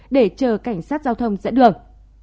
để chờ cảnh sát giao thông dẫn đường